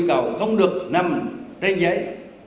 mà phải nằm trên giấy